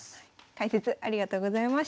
解説ありがとうございました。